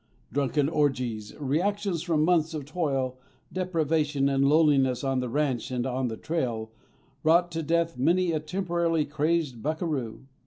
Drunken orgies, reactions from months of toil, deprivation, and loneliness on the ranch and on the trail, brought to death many a temporarily crazed buckaroo.